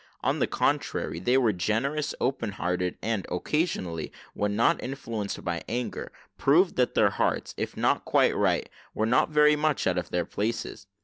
On the contrary, they were generous, open hearted, and, occasionally, when not influenced by anger, proved, that their hearts, if not quite right, were not very much out of their places.